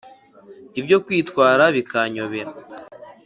Ibyo kwitwara bikanyobera.